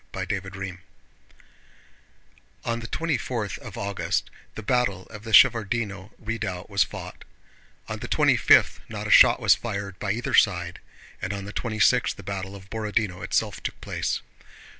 CHAPTER XIX On the twenty fourth of August the battle of the Shevárdino Redoubt was fought, on the twenty fifth not a shot was fired by either side, and on the twenty sixth the battle of Borodinó itself took place.